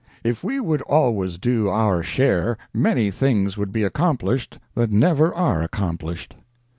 If we would always do our share many things would be accomplished that never are accomplished.